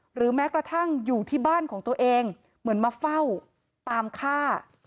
หรือแม้กระทั่งอยู่ที่บ้านของตัวเองเหมือนมาเฝ้าตามฆ่า